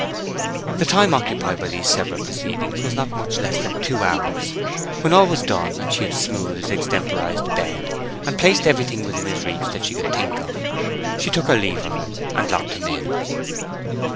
The time occupied by these several proceedings was not much less than two hours. When all was done, and she had smoothed his extemporized bed, and placed everything within his reach that she could think of, she took her leave of him, and locked him in.